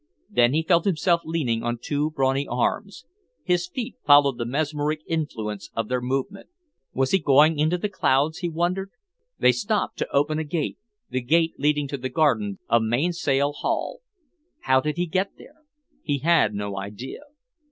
Then he felt himself leaning on two brawny arms. His feet followed the mesmeric influence of their movement. Was he going into the clouds, he wondered? They stopped to open a gate, the gate leading to the gardens of Mainsail Haul. How did he get there? He had no idea.